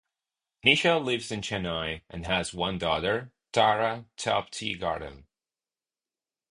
Nisha lives in Chennai and has one daughter Tara Top-Teagarden.